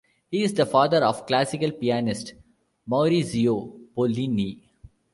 He is the father of classical pianist Maurizio Pollini.